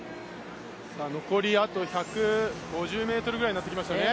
残りあと１５０ｍぐらいになってきましたね。